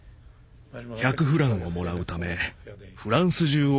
１００フランをもらうためフランス中を講演して回りましたよ。